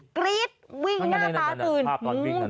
กรี๊ดวิ่งหน้าตาตื่นอืม